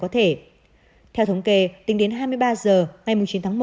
theo thống kê tính đến hai mươi ba h ngày chín tháng một